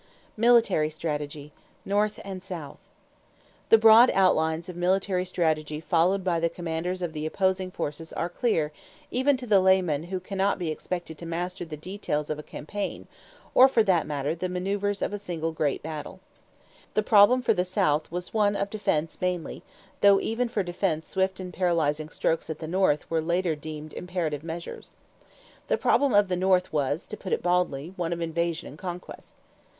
=Military Strategy North and South.= The broad outlines of military strategy followed by the commanders of the opposing forces are clear even to the layman who cannot be expected to master the details of a campaign or, for that matter, the maneuvers of a single great battle. The problem for the South was one of defense mainly, though even for defense swift and paralyzing strokes at the North were later deemed imperative measures. The problem of the North was, to put it baldly, one of invasion and conquest.